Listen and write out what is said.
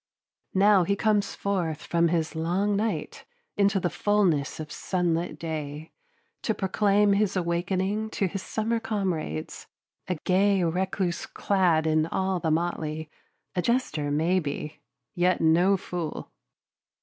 Now he comes forth from his long night into the fullness of sunlit day, to proclaim his awakening to his summer comrades, a gay recluse clad all in the motley, a jester, maybe, yet no fool.